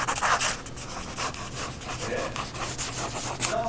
えっ？じゃん！